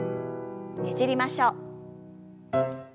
ねじりましょう。